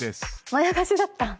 まやかしだった。